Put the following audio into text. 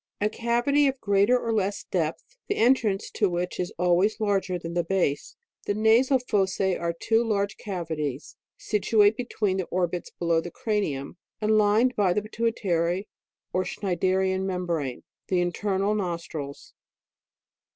A cavity of greater or less depth, the entrance to which is always larger than the base. The nasal fossae are two large cavities, situate between the oibits below the cranium, and lined by the pituitary or schneiderian membrane : the internal nostrils.